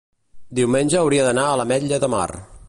diumenge hauria d'anar a l'Ametlla de Mar.